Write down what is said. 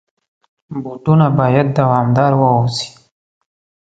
بوټونه باید دوامدار واوسي.